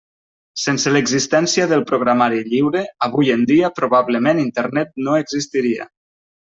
Sense l'existència del programari lliure, avui en dia probablement Internet no existiria.